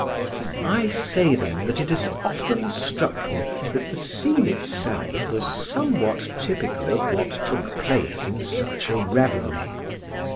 I say, then, that it has often struck me that the scene itself was somewhat typical of what took place in such a reverie.